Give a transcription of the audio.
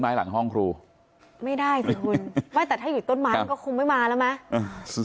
ไม่ได้สิคุณแต่ถ้าอยู่ต้นไม้ก็คงไม่มาแล้วไหม